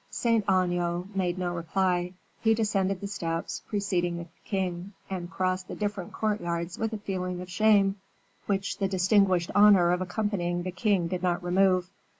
Saint Aignan made no reply; he descended the steps, preceding the king, and crossed the different courtyards with a feeling of shame, which the distinguished honor of accompanying the king did not remove.